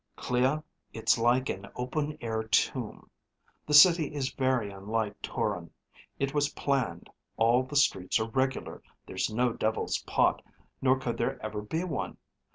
"Clea, it's like an open air tomb. The city is very unlike Toron. It was planned, all the streets are regular, there's no Devil's Pot, nor could there ever be one.